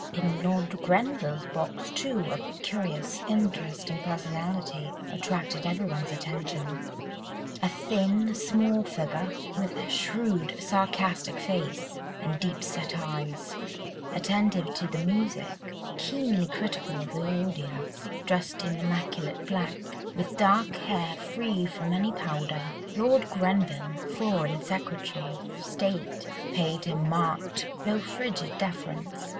In Lord Grenville's box, too, a curious, interesting personality attracted everyone's attention; a thin, small figure with shrewd, sarcastic face and deep set eyes, attentive to the music, keenly critical of the audience, dressed in immaculate black, with dark hair free from any powder. Lord Grenville—Foreign Secretary of State—paid him marked, though frigid deference.